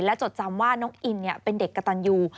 จดจำว่าน้องอินเป็นเด็กกระตันยู